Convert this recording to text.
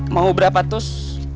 mau berapa tus